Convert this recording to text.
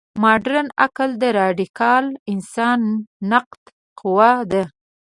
مډرن عقل د راډیکال انسان نقاده قوه ده.